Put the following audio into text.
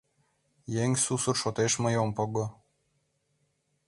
Еҥ сусыр шотеш мый ом пого